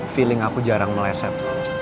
feeling aku jarang meleset